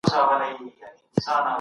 خلګو ته په غلطو القابو غږ مه کوئ.